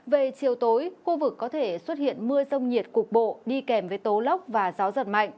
về chiều tối khu vực có thể xuất hiện mưa rông nhiệt cục bộ đi kèm với tố lốc và gió giật mạnh